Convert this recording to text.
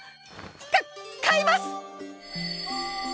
かっ買います！